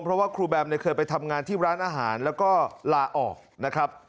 เพราะว่าครูแบมเนี่ยเคยไปทำงานที่ร้านอาหารแล้วก็ลาออกนะครับ